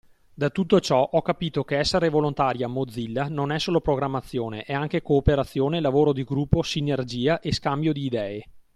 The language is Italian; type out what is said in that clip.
Da tutto ciò ho capito che essere volontaria Mozilla non è solo programmazione, è anche cooperazione, lavoro di gruppo, sinergia e scambio di idee.